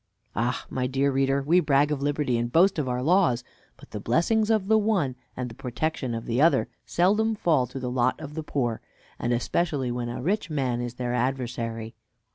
Ah, my dear reader, we brag of liberty, and boast of our laws; but the blessings of the one, and the protection of the other, seldom fall to the lot of the poor; and especially when a rich man is their adversary.